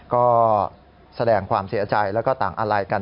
ก็แสดงความเสียใจแล้วก็ต่างอาลัยกัน